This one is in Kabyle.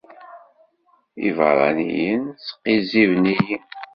Iberraniyen sqizziben-iyi.